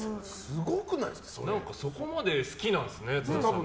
そこまで好きなんですね。